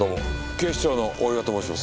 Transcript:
警視庁の大岩と申します。